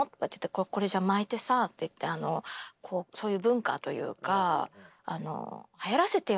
これじゃあ巻いてさそういう文化というかはやらせてよ